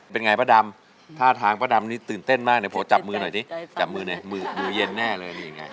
เป็นไงป้าดำท่าทางป้าดำนี่ตื่นเต้นมากเดี๋ยวผมจับมือหน่อยสิจับมือหน่อยมือเย็นแน่เลยนี่ไง